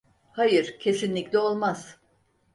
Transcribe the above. Hayır, kesinlikle olmaz.